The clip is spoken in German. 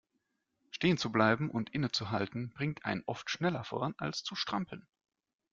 Stehen zu bleiben und innezuhalten bringt einen oft schneller voran, als zu strampeln.